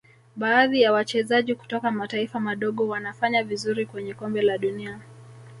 baadhi ya wachezaji kutoka mataifa madogo wanafanya vizuri kwenye Kombe la dunia